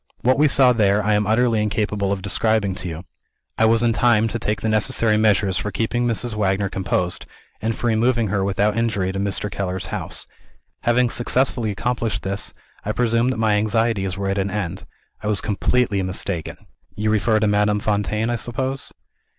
What we saw there, I am utterly incapable of describing to you. I was in time to take the necessary measures for keeping Mrs. Wagner composed, and for removing her without injury to Mr. Keller's house. Having successfully accomplished this, I presumed that my anxieties were at an end. I was completely mistaken." "You refer to Madame Fontaine, I suppose?"